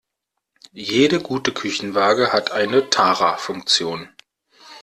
Jede gute Küchenwaage hat eine Tara-Funktion.